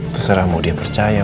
terserah mau dia percaya